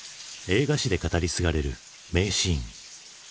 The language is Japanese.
映画史で語り継がれる名シーン。